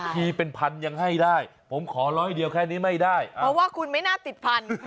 ทีเป็นพันยังให้ได้ผมขอร้อยเดียวแค่นี้ไม่ได้เพราะว่าคุณไม่น่าติดพัน